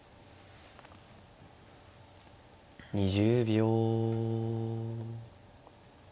２０秒。